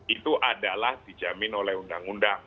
itu adalah dijamin oleh undang undang